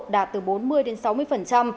đạt từ bốn mươi đến sáu mươi